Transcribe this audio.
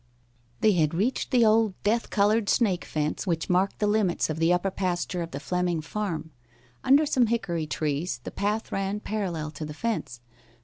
They had reached the old death colored snake fence which marked the limits of the upper pasture of the Fleming farm. Under some hickory trees the path ran parallel to the fence.